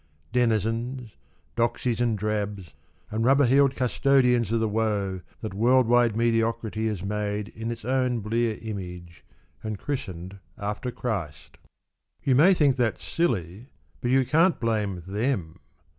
Denizens — doxies and drabs And rubber heeled custodians of the woe That world wide mediocrity has made In its own blear image And christened after Christ. (You may think that silly But you can't blame them.